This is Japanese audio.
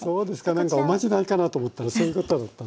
何かおまじないかなと思ったらそういうことだったんですね。